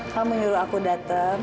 kamu nyuruh aku datang